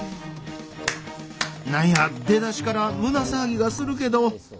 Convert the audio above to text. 何や出だしから胸騒ぎがするけど。